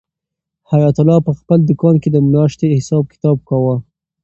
حیات الله په خپل دوکان کې د میاشتې حساب کتاب کاوه.